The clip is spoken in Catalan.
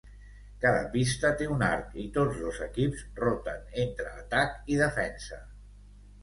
Cada pista té un arc i tots dos equips roten entre atac i defensa.